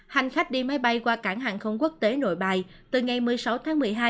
hành khách đi máy bay qua cảng hàng không quốc tế nội bài từ ngày một mươi sáu tháng một mươi hai